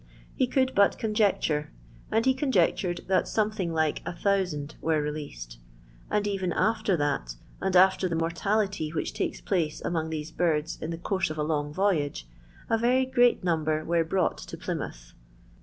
He could but conjecture ; and he red that lomething like a thousand were ; and eren after that, and after the mor hieh takes place among these birds in the »f a long Toyage, a yery great number oqght to Plymouth.